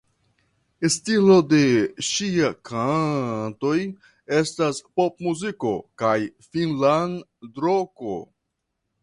Stilo de ŝia kantoj estas popmuziko kaj finnlandroko.